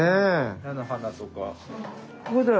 菜の花とか。